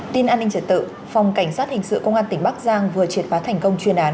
tin an ninh trật tự phòng cảnh sát hình sự công an tỉnh bắc giang vừa triệt phá thành công chuyên án